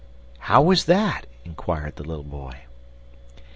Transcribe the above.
"How was that?" inquired the little boy.